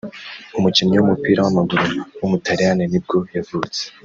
umukinnyi w’umupira w’amaguru w’umutaliyani ni bwo yavutse